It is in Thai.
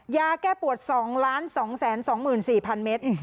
ยาแก้ปวด๒๒๔๐๐๐เมตร